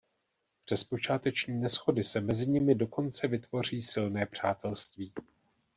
Přes počáteční neshody se mezi nimi dokonce vytvoří silné přátelství.